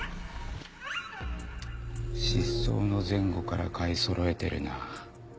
失踪の前後から買いそろえてるな。